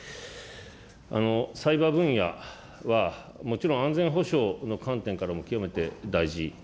サイバー分野は、もちろん、安全保障の観点からも極めて大事。